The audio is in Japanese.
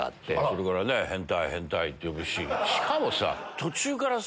そこからね変態って呼ぶししかもさ途中からさ。